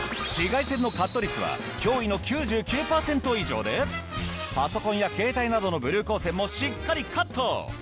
紫外線のカット率は驚異の９９パーセント以上でパソコンや携帯などのブルー光線もしっかりカット！